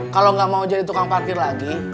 kalau nggak mau jadi tukang parkir lagi